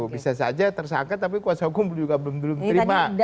bisa saja tersangka tapi kuasa hukum juga belum terima